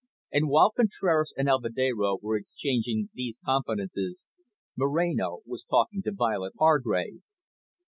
And while Contraras and Alvedero were exchanging these confidences, Moreno was talking to Violet Hargrave.